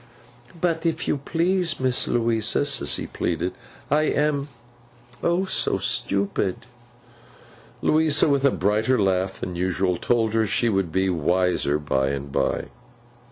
'But, if you please, Miss Louisa,' Sissy pleaded, 'I am—O so stupid!' Louisa, with a brighter laugh than usual, told her she would be wiser by and by.